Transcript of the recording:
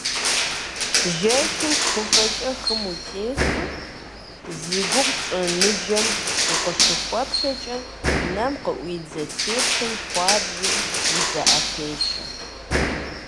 Жэщым кхъуафэкӀэ хым утесу, зи гугъу тщӀы ныджэм укъыщыхуэплъэкӀэ, нэм къыӀуидзэ теплъэм хуабжьу узэӀэпешэ.